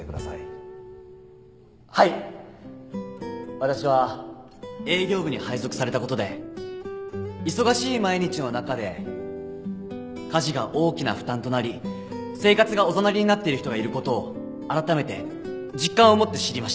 私は営業部に配属されたことで忙しい毎日の中で家事が大きな負担となり生活がおざなりになっている人がいることをあらためて実感を持って知りました。